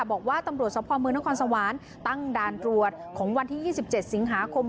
บอกว่าตำรวจสภเมืองนครสวรรค์ตั้งด่านตรวจของวันที่๒๗สิงหาคม